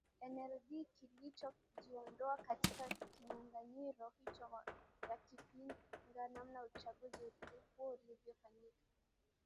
nld kilicho jiondoa katika kinyanganyiro hicho yakipinga namna uchaguzi huo ulivyofanyika